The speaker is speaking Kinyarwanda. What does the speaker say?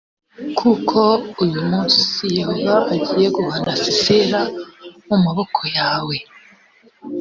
kuko uyu munsi yehova agiye guhana sisera mu maboko yawe